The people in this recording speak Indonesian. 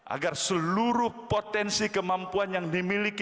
agar seluruh potensi kemampuan yang dimiliki